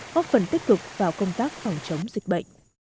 góp phần tích cực vào công tác phòng chống dịch bệnh